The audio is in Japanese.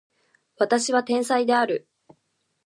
私は天才である